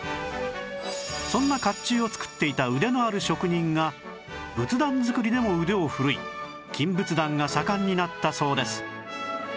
そんな甲冑を作っていた腕のある職人が仏壇作りでも腕を振るい金仏壇が盛んになったそうです